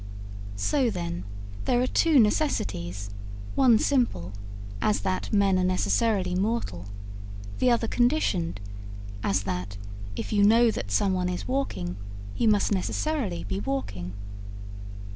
So, then, there are two necessities one simple, as that men are necessarily mortal; the other conditioned, as that, if you know that someone is walking, he must necessarily be walking.